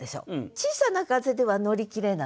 小さな風では乗り切れない。